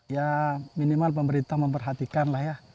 ya minimal pemerintah memperhatikan lah ya